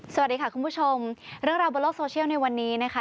สวัสดีค่ะคุณผู้ชมเรื่องราวบนโลกโซเชียลในวันนี้นะคะ